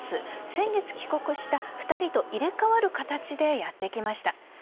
先月帰国した２人と入れ替わる形でやってきました。